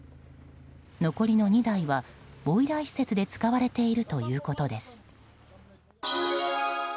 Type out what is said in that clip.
残り２台はボイラー施設で使われているということです。